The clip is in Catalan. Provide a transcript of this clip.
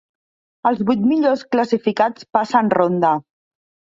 Els vuit millors classificats passen ronda.